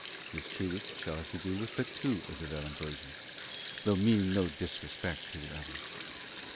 This treatise shall have to do with but two of the Vallambrosians though meaning no disrespect to the others.